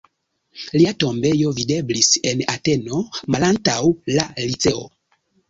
Lia tombejo videblis en Ateno, malantaŭ la Liceo.